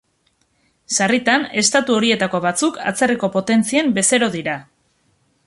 Sarritan, estatu horietako batzuk atzerriko potentzien bezero dira.